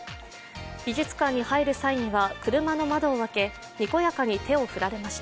美術館に入る際には車の窓を開けにこやかに手を振られました。